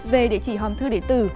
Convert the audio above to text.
về địa chỉ hòn thư địa tử